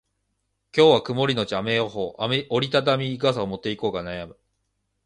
今日は曇りのち雨予報。折り畳み傘を持っていこうか悩む。